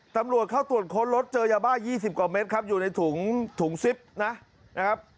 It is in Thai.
ตำรวจเข้าตรวจค้นรถเจอยาบ้า๒๐กว่าเม็ดครับอยู่ในถุงถุงซิปนะครับ